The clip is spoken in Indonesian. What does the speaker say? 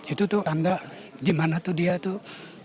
itu tuh anda gimana tuh dia tuh